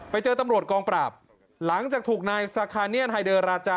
ไปเจอตำรวจกองปราบหลังจากถูกนายสาคาเนียนไฮเดอร์ราจา